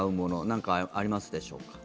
何かありますでしょうか。